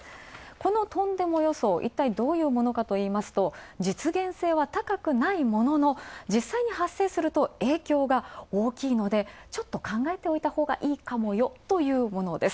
このとんでも予想、いったいどういうものかといいますと実現性は高くないものの、実際に発生すると影響が大きいのでちょっと考えておいたほうがいいかもよというものです。